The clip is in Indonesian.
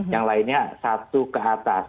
yang lainnya satu ke atas